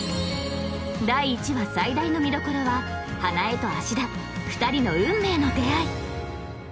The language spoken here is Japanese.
第１話最大の見どころは花枝と芦田２人の運命の出会い